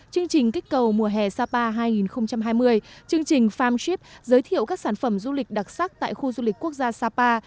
chương trình kích cầu mùa hè sapa hai nghìn hai mươi chương trình farm trip giới thiệu các sản phẩm du lịch đặc sắc tại khu du lịch quốc gia sapa